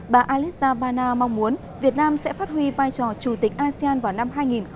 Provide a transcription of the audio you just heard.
bà alista bana mong muốn việt nam sẽ phát huy vai trò chủ tịch asean vào năm hai nghìn hai mươi